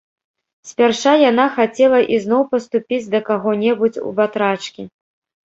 Спярша яна хацела ізноў паступіць да каго-небудзь у батрачкі.